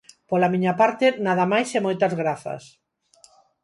Pola miña parte, nada máis e moitas grazas.